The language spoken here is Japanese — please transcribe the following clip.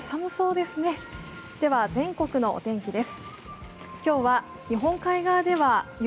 では全国のお天気です。